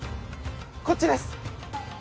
こっちです！